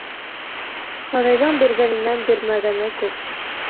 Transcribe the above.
Хоҙайҙың биргәненән бирмәгәне күп.